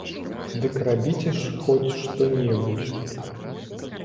Дык рабіце ж хоць што-небудзь!